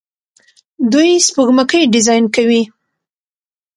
دوی سپوږمکۍ ډیزاین کوي.